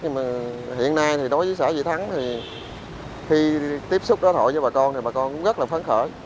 nhưng mà hiện nay thì đối với xã vị thắng thì khi tiếp xúc đối thoại với bà con thì bà con cũng rất là phấn khởi